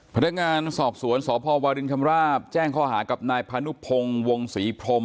พนักงานสอบสวนสพวรินชำราบแจ้งข้อหากับนายพานุพงศ์วงศรีพรม